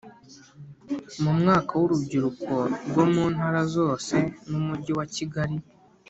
Mu mwaka wa urubyiruko rwo mu Ntara zose n Umujyi wa Kigali